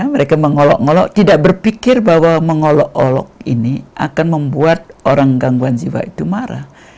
mereka mengolok ngolok tidak berpikir bahwa mengolok olok ini akan membuat orang gangguan jiwa itu marah